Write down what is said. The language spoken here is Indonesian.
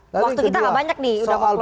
waktu kita nggak banyak nih udah mau close